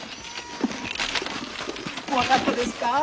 怖かったですか。